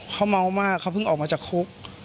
เขาเมามากเขาเพิ่งออกมาจากคุก